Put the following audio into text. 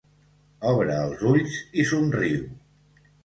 Obre els ulls i somriu.